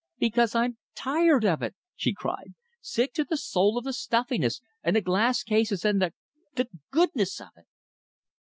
"Because I'm TIRED of it!" she cried; "sick to the soul of the stuffiness, and the glass cases, and the the GOODNESS of it!"